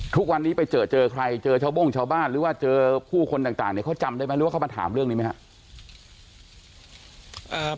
ทุกวันนี้ไปเจอเจอใครเจอชาวโบ้งชาวบ้านหรือว่าเจอผู้คนต่างเนี่ยเขาจำได้ไหมหรือว่าเขามาถามเรื่องนี้ไหมครับ